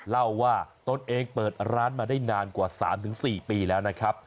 เล่าว่าตนเองเปิดร้านมาได้นานกว่า๓๔ปีแล้วนะครับ